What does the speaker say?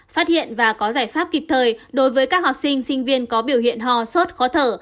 phát hiện và có giải pháp kịp thời đối với các học sinh sinh viên có biểu hiện ho sốt khó thở